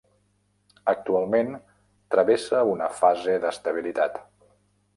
Actualment travessa una fase d'estabilitat.